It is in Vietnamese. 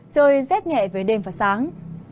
trời rét nhẹ về đêm và sáng